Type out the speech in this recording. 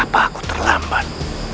apa aku terlambat